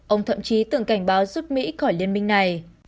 ông thậm chí tưởng cảnh báo giúp mỹ khỏi liên minh này